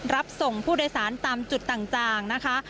รับส่งผู้โดยสารตามจุดต่างนะคะ